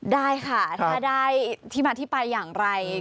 ได้ค่ะถ้าได้ที่มาที่ไปอย่างไร